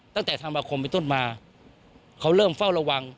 ตั้งแต่ธันวาคมไปต้นมาเขาเริ่มเฝ้าระวัง